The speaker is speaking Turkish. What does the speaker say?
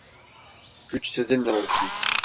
Güç sizinle olsun.